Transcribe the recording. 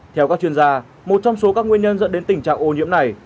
theo các chuyên gia một trong số các nguyên nhân dẫn đến tình trạng ô nhiễm này